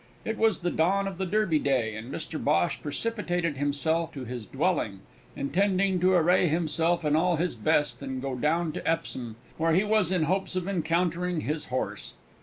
It was the dawn of the Derby Day, and Mr Bhosh precipitated himself to his dwelling, intending to array himself in all his best and go down to Epsom, where he was in hopes of encountering his horse.